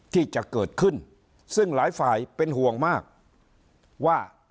ที่จะเกิดขึ้นซึ่งหลายฝ่ายเป็นห่วงมากว่า